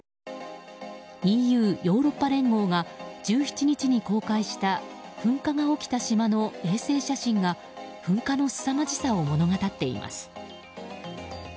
ＥＵ・ヨーロッパ連合が１７日に公開した噴火が起きた島の衛星写真が噴火のすさまじさを物語っています。